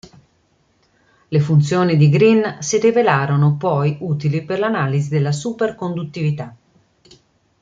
Le funzioni di Green si rivelarono poi utili per l'analisi della superconduttività.